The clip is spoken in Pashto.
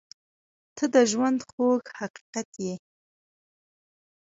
• ته د ژونده خوږ حقیقت یې.